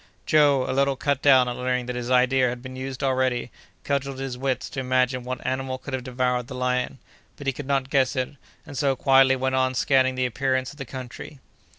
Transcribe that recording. Joe, a little cut down at learning that his idea had been used already, cudgelled his wits to imagine what animal could have devoured the lion; but he could not guess it, and so quietly went on scanning the appearance of the country.